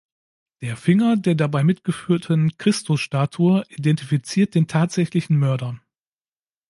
Der Finger der dabei mitgeführten Christus-Statue identifiziert den tatsächlichen Mörder.